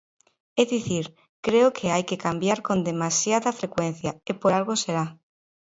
É dicir, creo que hai que cambiar con demasiada frecuencia, e por algo será.